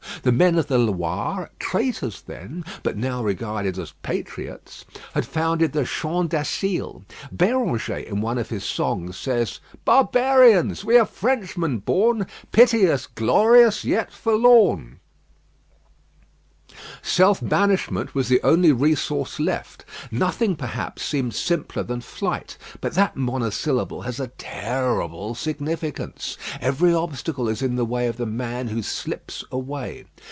The men of the Loire, traitors then, but now regarded as patriots, had founded the Champ d'Asile. Béranger in one of his songs says "Barbarians! we are Frenchmen born; Pity us, glorious, yet forlorn." Self banishment was the only resource left. Nothing, perhaps, seems simpler than flight, but that monosyllable has a terrible significance. Every obstacle is in the way of the man who slips away.